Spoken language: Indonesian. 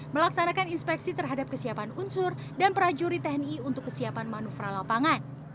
melaksanakan inspeksi terhadap kesiapan unsur dan prajurit tni untuk kesiapan manufra lapangan